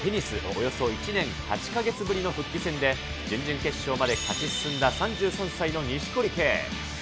およそ１年８か月ぶりの復帰戦で、準々決勝まで勝ち進んだ３３歳の錦織圭。